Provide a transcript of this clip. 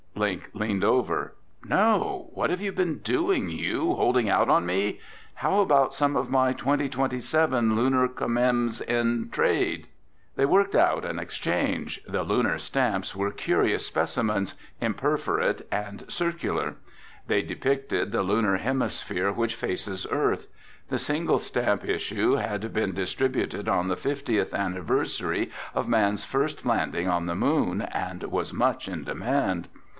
Link leaned over. "No! What have you been doing, Hugh, holding out on me? How about some of my 2027 Lunar commems in trade?" They worked out an exchange. The Lunar stamps were curious specimens, imperforate and circular. They depicted the Lunar hemisphere which faces Earth. The single stamp issue had been distributed on the fiftieth anniversary of man's first landing on the moon and was much in demand.